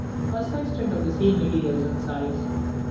2. A sextant of the same materials and size.